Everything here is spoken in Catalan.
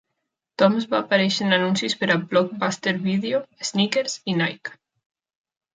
Thoms va aparèixer en anuncis per a Blockbuster Video, Snickers i Nike.